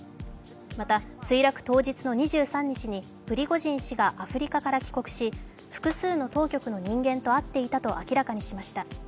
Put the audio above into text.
また墜落当日の２３日にプリゴジン氏がアフリカから帰国し複数の当局の人間と会っていたと明らかにしました。